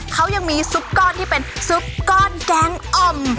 เขายังมีซุปก้อนที่เป็นซุปก้อนแกงอ่อม